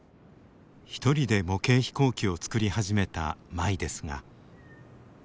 一人で模型飛行機を作り始めた舞ですが。